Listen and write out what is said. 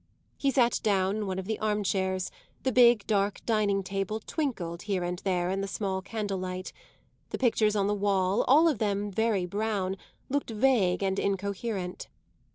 He sat down in one of the armchairs; the big dark dining table twinkled here and there in the small candle light; the pictures on the wall, all of them very brown, looked vague and incoherent.